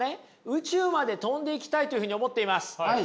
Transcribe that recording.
宇宙まで飛んでいきたいというふうに思っています。